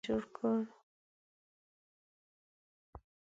اندېښنو مې په معده کې زخم جوړ کړ